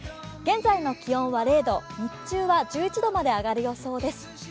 現在の気温は０度、日中は１１度まで上がる予想です。